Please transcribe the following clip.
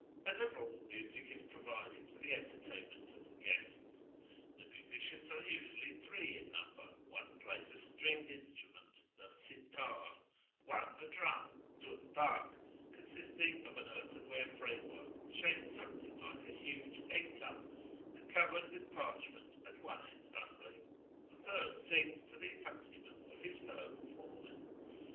As a rule, music is provided for the entertainment of the guests. The musicians are usually three in number : one plays a stringed instrument (the si tdr') ; one a drum {dunhak), consisting of an earthenware framework, shaped something like a huge egg cup, and covered with parchment at one end only ; the third sings to the accompaniment of his fellow performers.